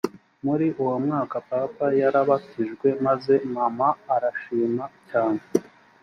muri uwo mwaka papa yarabatijwe maze mama arishima cyane